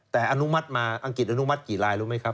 แต่อนุมัติมาอังกฤษอนุมัติกี่ลายรู้ไหมครับ